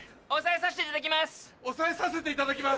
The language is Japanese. ・押さえさせていただきます！